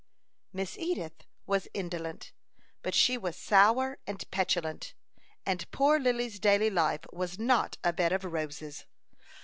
Miss Edith was indolent, but she was sour and petulant, and poor Lily's daily life was not a bed of roses.